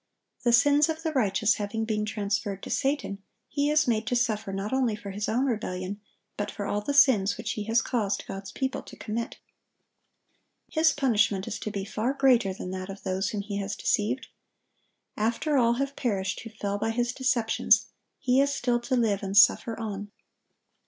The sins of the righteous having been transferred to Satan, he is made to suffer not only for his own rebellion, but for all the sins which he has caused God's people to commit. His punishment is to be far greater than that of those whom he has deceived. After all have perished who fell by his deceptions, he is still to live and suffer on.